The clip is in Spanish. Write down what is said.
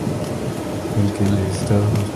Es el futuro.